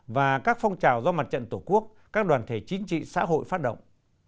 và các phong trào do mặt trận tổ quốc các đoàn thể chính trị xã hội phát động